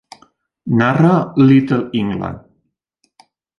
Narra "Little England".